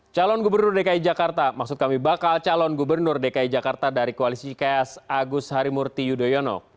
calon gubernur dki jakarta maksud kami bakal calon gubernur dki jakarta dari koalisi ks agus harimurti yudhoyono